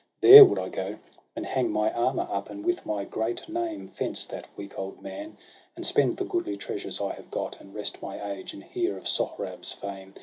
There would I go, and hang my armour up. And with my great name fence that weak old man, And spend the goodly treasures I have got, And rest my age, and hear of Sohrab's fame.